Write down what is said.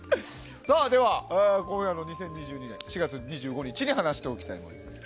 では、今夜の２０２２年４月２５日に話しておきたい森。